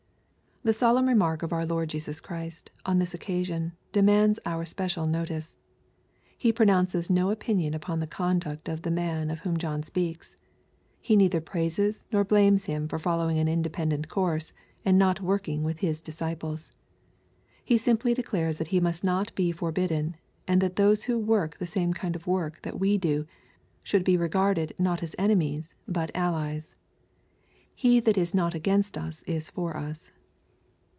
The solemn remark of our Lord Jesus Christ, on this occasion, demands our special notice. He pronounces no opinion upon the conduct of the man of whom John speaks. He neither praises nor blames him for follow ing an independent course, and not working with His disciples. He simply declares that he must not be for bidden, and that those who work the same kind of work that we do, should be regarded not as enemies, but allies. '^ He that is not against us is for us.